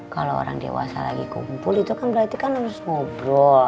kalau orang dewasa lagi kumpul itu kan berarti kan harus ngobrol